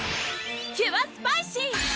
キュアスパイシー！